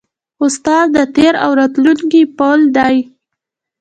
استاد د تېر او راتلونکي پل دی.